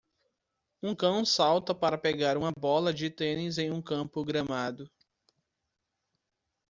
Um cão salta para pegar uma bola de tênis em um campo gramado.